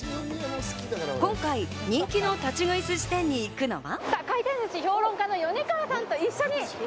今回、人気の立ち食い寿司店に行くのは。